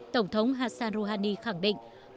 tổng thống hassan rouhani khẳng định